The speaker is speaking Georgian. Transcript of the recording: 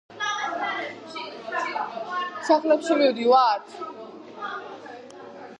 როგორც თავად ამბობდა, გაიღვიძა და საწოლის ბოლოს შეამჩნია შავი ფიგურა, რომელიც მას უყურებდა.